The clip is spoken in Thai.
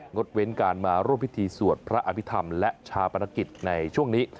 ดเว้นการมาร่วมพิธีสวดพระอภิษฐรรมและชาปนกิจในช่วงนี้